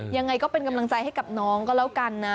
ยังไงก็เป็นกำลังใจให้กับน้องก็แล้วกันนะ